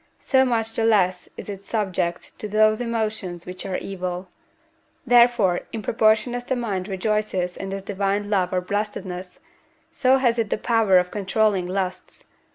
so much the less is it subject to those emotions which are evil; therefore, in proportion as the mind rejoices in this divine love or blessedness, so has it the power of controlling lusts.